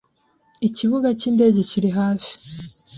Ikibuga cyindege kiri hafi.